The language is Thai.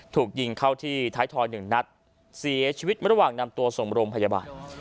ถูกยิงเข้าที่ท้ายทอยหนึ่งนัดเสียชีวิตระหว่างนำตัวส่งโรงพยาบาล